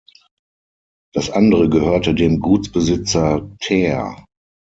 Das andere gehörte dem Gutsbesitzer Thaer.